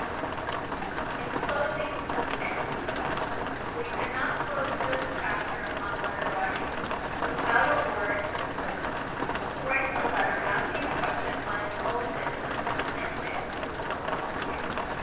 [Sidenote: ENCLOSING A STAMP] We can not close this chapter on letter writing without a word to the person who writes a letter asking a question on his own business, and fails to enclose a stamp.